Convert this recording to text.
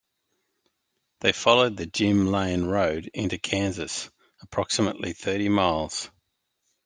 They followed the "Jim Lane Road" into Kansas approximately thirty miles.